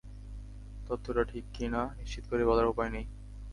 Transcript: তথ্যটা ঠিক কি না, নিশ্চিত করে বলার উপায় নেই।